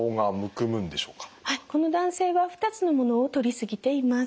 この男性は２つのものをとりすぎています。